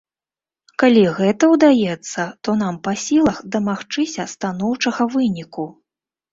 Калі гэта ўдаецца, то нам па сілах дамагчыся станоўчага выніку.